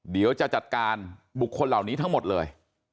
เดี๋ยวจะจัดการบุคคลเหล่านี้ทั้งหมดเลย